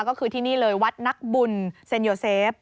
ก็คือที่นี่เลยวัดนักบุญเซ็นโยเซฟ